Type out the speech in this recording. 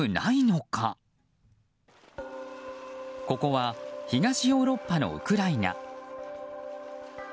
ここは東ヨーロッパのウクライナ。